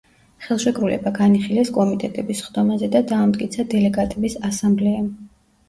ხელშეკრულება განიხილეს კომიტეტების სხდომაზე და დაამტკიცა დელეგატების ასამბლეამ.